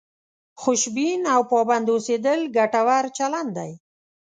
خوشبین او پابند اوسېدل ګټور چلند دی.